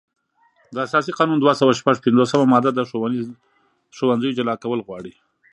د اساسي قانون دوه سوه شپږ پنځوسمه ماده د ښوونځیو جلا کول غواړي.